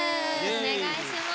お願いします。